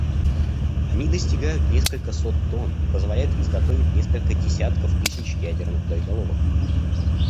Они достигают несколько сот тонн и позволяют изготовить несколько десятков тысяч ядерных боеголовок.